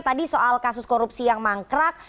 tadi soal kasus korupsi yang mangkrak